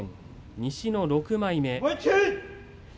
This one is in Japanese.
西の６枚目。